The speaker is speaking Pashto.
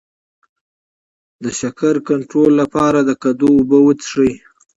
د شکر کنټرول لپاره د کدو اوبه وڅښئ